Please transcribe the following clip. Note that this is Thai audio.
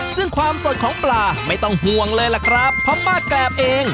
ซึ่งความสดของปลาไม่ต้องห่วงเลยล่ะครับเพราะป้าแกรบเอง